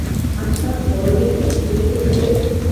আচ্ছা, বলো দেখি কী করিতে হইবে।